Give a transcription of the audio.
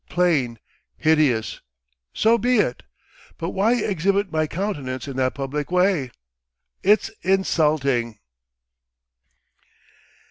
Plain, hideous, so be it, but why exhibit my countenance in that public way! It's insulting."